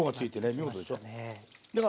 見事でしょ。